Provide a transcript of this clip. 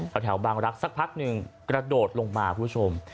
แถวบางรักสักพักหนึ่งกระโดดลงมาคุณผู้ชม